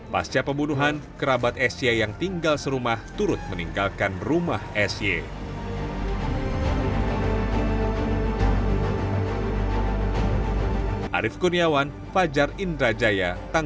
pasca pembunuhan kerabat sy yang tinggal serumah turut meninggalkan rumah syl